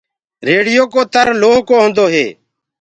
ريڙهيو ڪوُ تر لوه ڪو هوندو هي۔